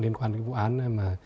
liên quan đến vụ án